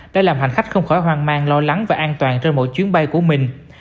đã làm hành khách không khỏi hoang mang lo lắng và an toàn trên mỗi chuyến bay của mình